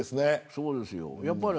そうですよ。